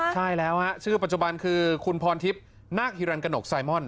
ใช่แล้วฮะชื่อปัจจุบันคือคุณพรทิพย์นาคฮิรันกระหนกไซมอน